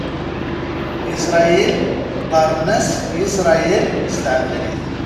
Iṣṛayil qqaṛen-as "Yisṛayil" s tɛebrit.